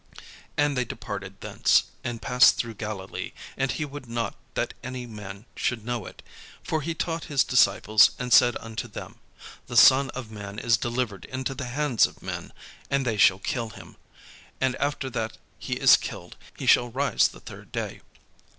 And they departed thence, and passed through Galilee; and he would not that any man should know it. For he taught his disciples, and said unto them: "The Son of man is delivered into the hands of men, and they shall kill him; and after that he is killed, he shall rise the third day."